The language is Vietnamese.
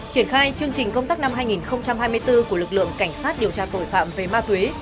triển khai chương trình công tác năm hai nghìn hai mươi bốn của lực lượng cảnh sát điều tra tội phạm về ma túy